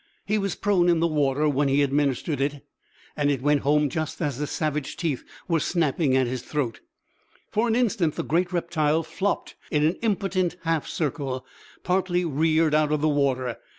He was prone in the water when he administered it, and it went home just as the savage teeth were snapping at his throat. For an instant the great reptile flopped in an impotent half circle, partly reared out of the water.